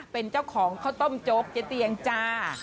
เป็นเจ้าของข้าวต้มโจ๊กเจ๊เตียงจ้า